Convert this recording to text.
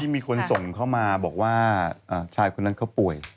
ที่มีคนส่งเข้ามาบอกว่าชายคุณนั้นก็ป่วย